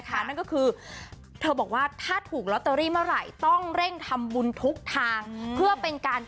อย่างเที่ยวจะไม่ปั้วได้มั้ย